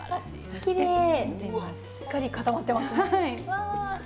しっかり固まってますね。